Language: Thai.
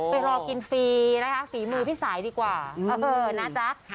ไปรอกินฟรีนะคะฝีมือพี่สายดีกว่านะจ๊ะ